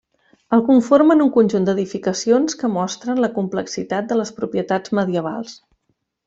El conformen un conjunt d'edificacions que mostren la complexitat de les propietats medievals.